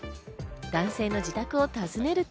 男性の自宅を訪ねると。